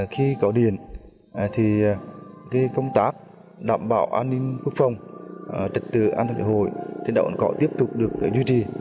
khi có điện thì công tác đảm bảo an ninh quốc phòng trật tự an toàn xã hội trên đảo cồn cỏ tiếp tục được duy trì